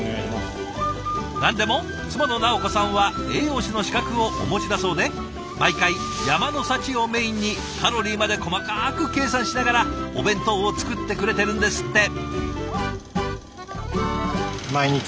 何でも妻の尚子さんは栄養士の資格をお持ちだそうで毎回山の幸をメインにカロリーまで細かく計算しながらお弁当を作ってくれてるんですって。